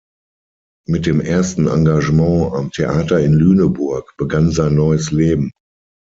Mit dem ersten Engagement am Theater in Lüneburg begann sein neues Leben.